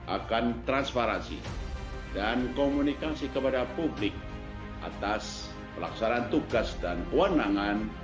akan transparansi dan komunikasi kepada publik atas pelaksanaan tugas dan kewenangan